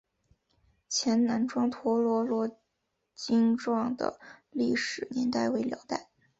前南庄陀罗尼经幢的历史年代为辽代。